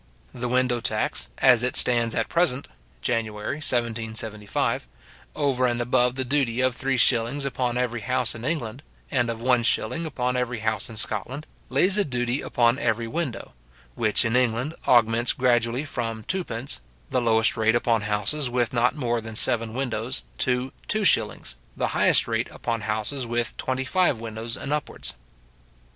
The window tax, as it stands at present (January 1775), over and above the duty of three shillings upon every house in England, and of one shilling upon every house in Scotland, lays a duty upon every window, which in England augments gradually from twopence, the lowest rate upon houses with not more than seven windows, to two shillings, the highest rate upon houses with twenty five windows and upwards.